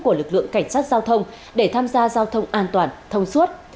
của lực lượng cảnh sát giao thông để tham gia giao thông an toàn thông suốt